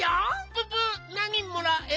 ププなにもらえる？